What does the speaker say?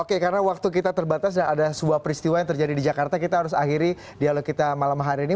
oke karena waktu kita terbatas dan ada sebuah peristiwa yang terjadi di jakarta kita harus akhiri dialog kita malam hari ini